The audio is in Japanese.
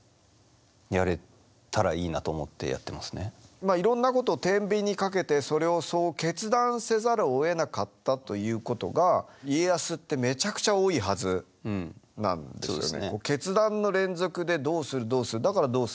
まあいろんなことをてんびんにかけてそれをそう決断せざるをえなかったということが家康ってめちゃくちゃ多いはずなんですよね。